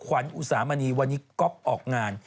วันนี้ก๊อปออกงาน